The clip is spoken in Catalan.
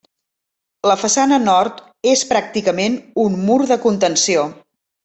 La façana nord és pràcticament un mur de contenció.